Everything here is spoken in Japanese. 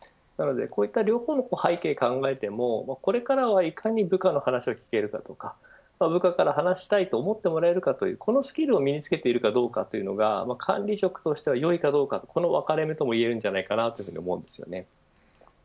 両方の背景を考えてもこれからはいかに部下の話を聞けるかとか部下から話したいと思ってもらえるかこのスキルを身につけているかどうかが管理職としてよいかどうかの分かれ目ともいえるんじゃないかと思うんです。